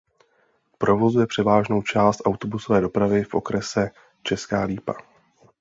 Provozuje převážnou část autobusové dopravy v okrese Česká Lípa.